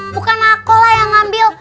bukan akulah yang ambil